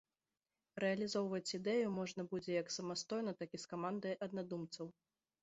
Рэалізоўваць ідэю можна будзе як самастойна, так і з камандай аднадумцаў.